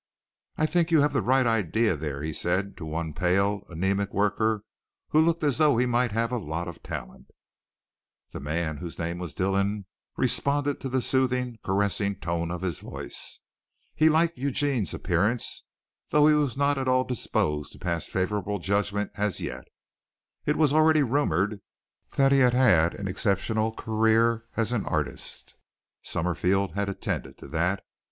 "I think you have the right idea there," he said to one pale, anæmic worker who looked as though he might have a lot of talent. The man, whose name was Dillon, responded to the soothing, caressing tone of his voice. He liked Eugene's appearance, though he was not at all disposed to pass favorable judgment as yet. It was already rumored that he had had an exceptional career as an artist. Summerfield had attended to that.